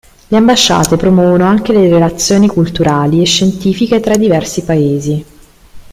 Le ambasciate promuovono anche le relazioni culturali e scientifiche tra i diversi Paesi.